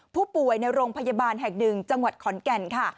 ผู้ป่วยในโรงพยาบาลแห่งหนึ่งจังหวัดขอนแก่นค่ะ